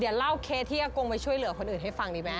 เดี๋ยวเล่าเคสที่อากงไปช่วยเหลือคนอื่นให้ฟังดีไหม